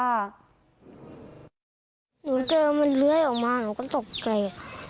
หนูเจอมันเลื้อยออกมาหนูก็ตกใจ